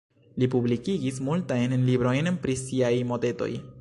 Li publikigis multajn librojn pri siaj motetoj.